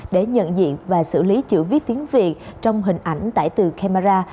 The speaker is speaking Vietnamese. để nhận diện và xử lý chữ viết tiếng việt trong hình ảnh tải từ camera